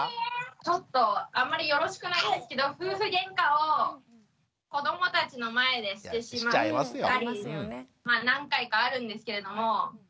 ちょっとあんまりよろしくないんですけど夫婦ゲンカを子どもたちの前でしてしまったり何回かあるんですけれども。